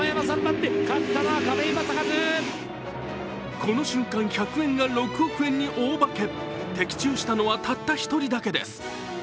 この瞬間、１００円が６億円に大化け的中したのはたった１人だけです。